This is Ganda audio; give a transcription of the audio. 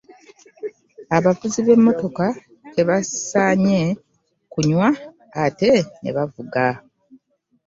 Abavuzi b'emmotoka tebasaanye kunywa ate ne bavuga.